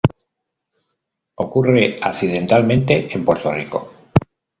Ocurre accidentalmente en Puerto Rico.